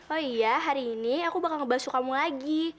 oh iya hari ini aku bakal ngebalsu kamu lagi